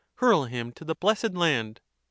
5 Hurl him to the blessed (land) !